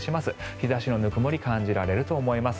日差しのぬくもり感じられると思います。